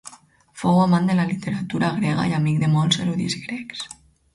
Fou amant de la literatura grega i amic de molts erudits grecs.